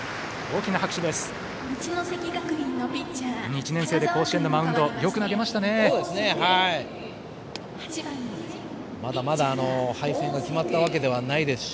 大きな拍手です。